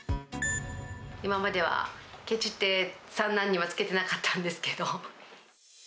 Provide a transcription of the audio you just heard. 今までは、けちって三男にはつけてなかったんですけど。